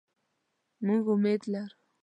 مونږ امید لرو